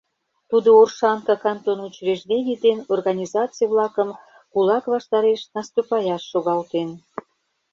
Тудо Оршанка кантон учреждений ден организаций-влакым кулак ваштареш наступаяш шогалтен.